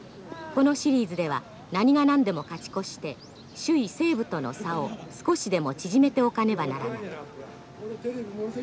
このシリーズでは何が何でも勝ち越して首位西武との差を少しでも縮めておかねばならない。